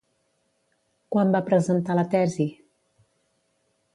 Quan va presentar la tesi?